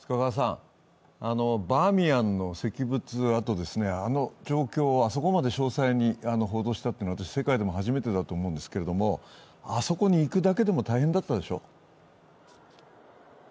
バーミヤンの石仏跡、あの状況をあそこまで詳細に報道したというのは世界でも初めてだと思うんですが、あそこに行くだけでも大変だったでしょう？